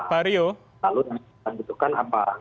lalu kita butuhkan apa